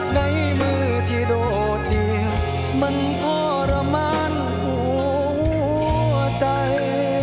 ในมือที่โดดเดี่ยวมันทรมานหัวใจ